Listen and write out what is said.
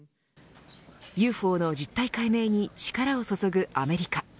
ＵＦＯの実態解明に力を注ぐアメリカ。